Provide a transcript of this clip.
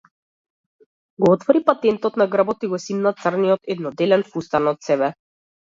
Го отвори патентот на грбот и го симна црниот едноделен фустан од себе.